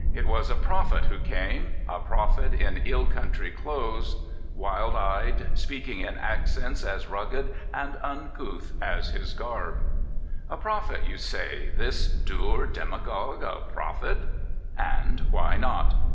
It was a prophet who came — a prophet in " ill country clothes,'' wild eyed, speaking in accents as rugged and uncouth as his garb. A prophet you say — this dour demagogue a prophet? And why not?